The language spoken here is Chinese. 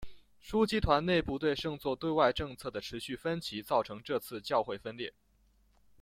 枢机团内部对圣座对外政策的持续分歧造成这次教会分裂。